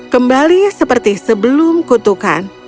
kembali seperti sebelum kutukan